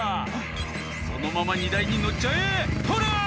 「そのまま荷台にのっちゃえ！とりゃ！」